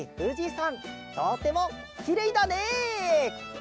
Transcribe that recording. とてもきれいだね！